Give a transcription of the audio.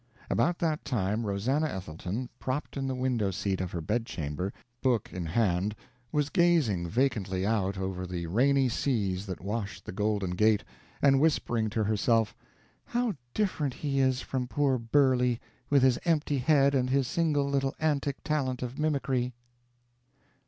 About that time Rosannah Ethelton, propped in the window seat of her bedchamber, book in hand, was gazing vacantly out over the rainy seas that washed the Golden Gate, and whispering to herself, "How different he is from poor Burley, with his empty head and his single little antic talent of mimicry!"